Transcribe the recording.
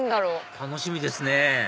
楽しみですね